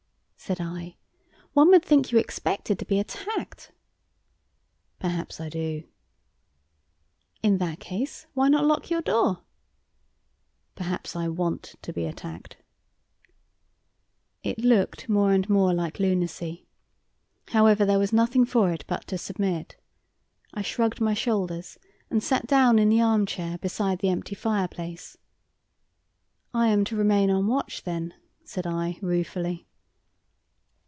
said I. "One would think you expected to be attacked." "Perhaps I do." "In that case, why not lock your door?" "Perhaps I WANT to be attacked." It looked more and more like lunacy. However, there was nothing for it but to submit. I shrugged my shoulders and sat down in the arm chair beside the empty fireplace. "I am to remain on watch, then?" said I, ruefully.